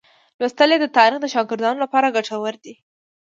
لوستل یې د تاریخ د شاګردانو لپاره ګټور دي.